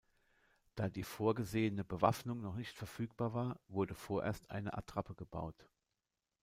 Da die vorgesehene Bewaffnung noch nicht verfügbar war, wurde vorerst eine Attrappe eingebaut.